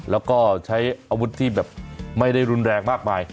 แล้วก็ใช้อาวุธที่แบบไม่ได้รุนแรงมากมาย